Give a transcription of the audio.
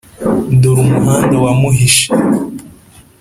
dore umuhanda wamuhishe.